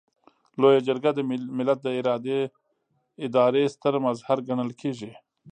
لویه جرګه د ملت د ادارې ستر مظهر ګڼل کیږي.